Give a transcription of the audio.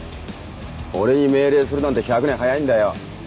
俺に命令するなんて１００年早いんだよ！